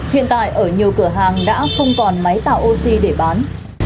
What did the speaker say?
hiện tại ở nhiều cửa hàng đã không còn máy tạo oxy để bán